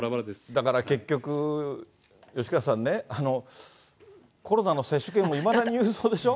だから、結局、吉川さんね、コロナの接種券もいまだに郵送でしょ。